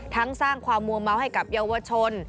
ทั้งสร้างความมัวมา้วให้กับเยาวชน